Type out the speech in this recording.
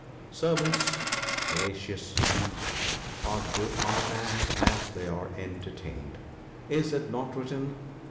"' Servants, gracious liege ! are good or bad as they are entertained. Is it not written